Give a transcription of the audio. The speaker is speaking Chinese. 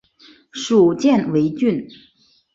属犍为郡。